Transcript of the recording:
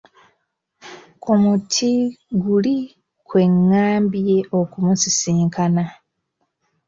Ku muti guli kwe ŋŋambye okumusisinkana.